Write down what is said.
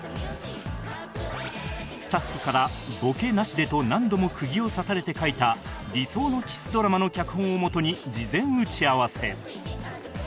スタッフから「ボケなしで」と何度も釘を刺されて書いた理想のキスドラマの脚本をもとに事前打ち合わせ